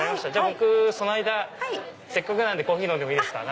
僕その間せっかくなんでコーヒー飲んでもいいですか？